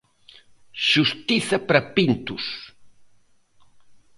Xustiza para Pintos!